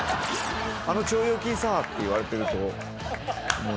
「あの腸腰筋さ」って言われてると思います。